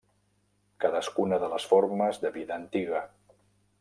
Cadascuna de les formes de vida antiga.